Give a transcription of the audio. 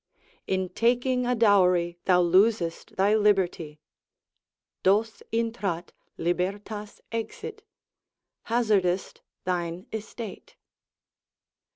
In taking a dowry thou losest thy liberty, dos intrat, libertas exit, hazardest thine estate.